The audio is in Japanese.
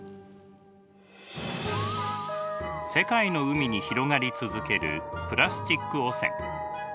世界の海に広がり続けるプラスチック汚染。